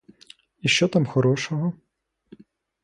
І що там хорошого?